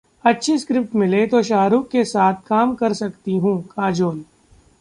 अच्छी स्क्रिप्ट मिले, तो शाहरुख के साथ काम कर सकती हूं: काजोल